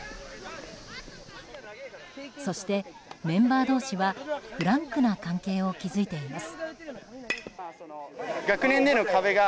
そしてメンバー同士はフランクな関係を築いています。